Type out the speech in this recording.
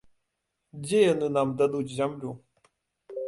Дзе яны нам дадуць зямлю?